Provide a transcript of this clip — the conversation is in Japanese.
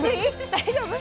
大丈夫？